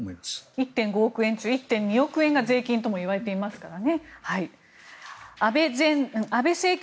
１．５億円のうち１．２億円が税金ともいわれていますからね。